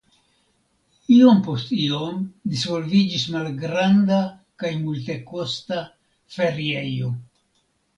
Iom post iom disvolviĝis malgranda kaj multekosta feriejo.